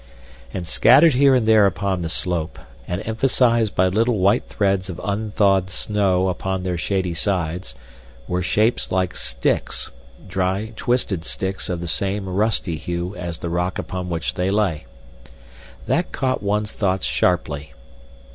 And scattered here and there upon the slope, and emphasised by little white threads of unthawed snow upon their shady sides, were shapes like sticks, dry twisted sticks of the same rusty hue as the rock upon which they lay. That caught one's thoughts sharply.